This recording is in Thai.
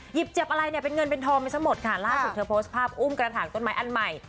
หยิบเจ็บอะไรเนี่ยเป็นเงินเป็นทองไปซะหมดค่ะล่าสุดเธอโพสต์ภาพอุ้มกระถางต้นไม้อันใหม่